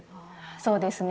そうですね。